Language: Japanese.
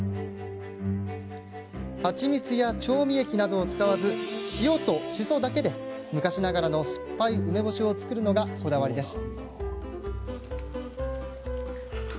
蜂蜜や調味液などを使わず塩としそだけで昔ながらの酸っぱい梅干しを作るのがこだわりです。